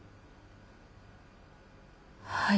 はい。